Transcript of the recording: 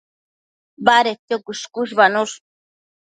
Badedquio cuësh-cuëshbanosh